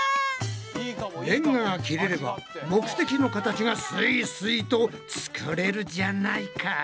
レンガが切れれば目的の形がすいすいと作れるじゃないか！